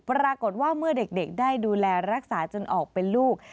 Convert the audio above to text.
ปรากฏว่าเมื่อเด็กได้ดูแลรักษาจนออกเป็นลูก